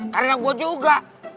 karena gua juga